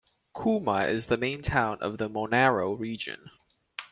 Cooma is the main town of the Monaro region.